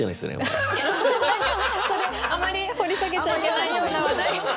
それあまり掘り下げちゃいけないような話題。